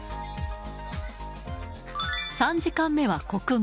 ３時間目は国語。